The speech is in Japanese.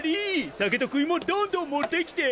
酒と食いもんどんどん持ってきて！